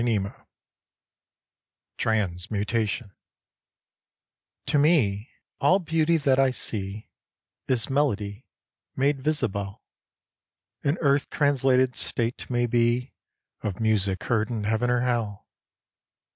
TRANSMUTATION To me all beauty that I see Is melody made visible: An earth translated state, may be, Of music heard in Heaven or Hell.